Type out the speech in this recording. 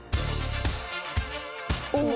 おっ。